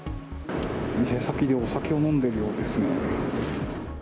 店先でお酒を飲んでいるようですね。